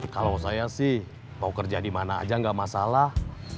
kalau saya sih mau kerja dimana aja gak masalah